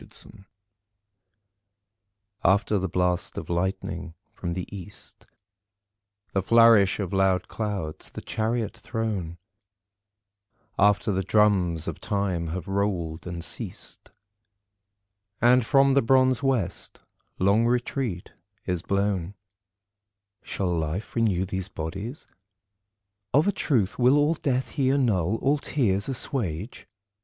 The End After the blast of lightning from the east, The flourish of loud clouds, the Chariot throne, After the drums of time have rolled and ceased And from the bronze west long retreat is blown, Shall Life renew these bodies? Of a truth All death will he annul, all tears assuage?